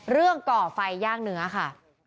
เรื่องก่อไฟย่างเนื้อค่ะ